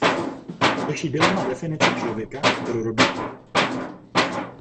Řeší dilema definice člověka pro robota.